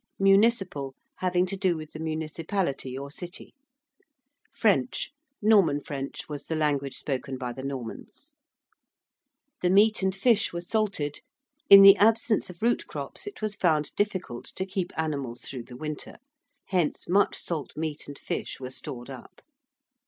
~municipal~: having to do with the municipality or city. ~French~: Norman French was the language spoken by the Normans. ~the meat and fish were salted~: in the absence of root crops it was found difficult to keep animals through the winter. Hence much salt meat and fish were stored up.